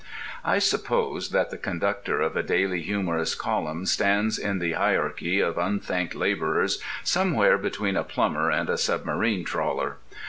I suppose that the conductor of a daily humorous column stands in the hierarchy of unthanked labourers somewhere between a plumber and a submarine trawler.